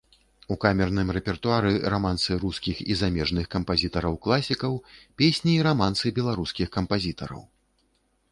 У камерным рэпертуары рамансы рускіх і замежных кампазітараў-класікаў, песні і рамансы беларускіх кампазітараў.